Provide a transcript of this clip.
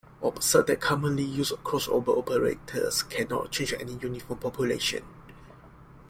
Observe that commonly used crossover operators cannot change any uniform population.